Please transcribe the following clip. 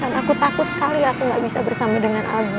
dan aku takut sekali aku nggak bisa bersama dengan abi